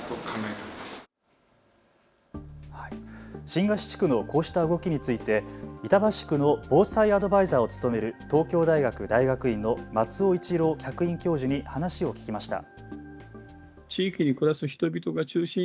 新河岸地区のこうした動きについて板橋区の防災アドバイザーを務める東京大学大学員の松尾一郎客員教授に話を聞きました。